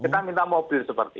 kita minta mobil seperti